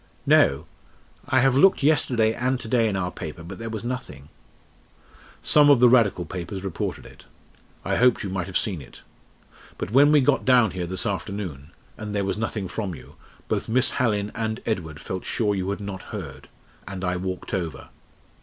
"No; I have looked yesterday and to day in our paper, but there was nothing " "Some of the Radical papers reported it. I hoped you might have seen it. But when we got down here this afternoon, and there was nothing from you, both Miss Hallin and Edward felt sure you had not heard and I walked over.